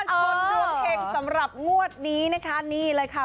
คนดวงเฮงสำหรับงวดนี้นะคะนี่เลยค่ะ